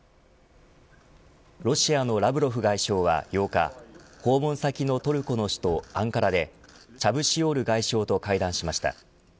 ロシアのラブロフ外相は８日訪問先のトルコの首都アンカラでチャブシオール外相と会談しました。